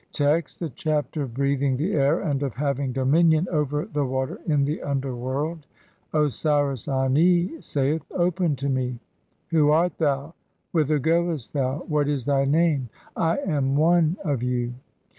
Text : (1) The Chapter of breathing the air and of HAVING DOMINION OVER THE WATER IN THE UNDERWORLD. Osiris Ani saith :— "Open to me." Who art thou ? Whither goest thou ? (2) What is thy name? "I am one of you."